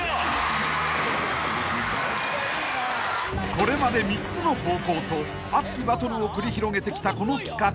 ［これまで３つの高校と熱きバトルを繰り広げてきたこの企画］